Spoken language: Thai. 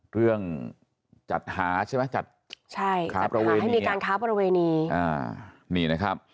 เรื่องจัดหาใช่ไหมจัดหาให้มีการค้าประเวณี